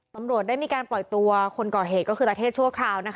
ตำรวจได้มีการปล่อยตัวคนก่อเหตุก็คือตาเทศชั่วคราวนะคะ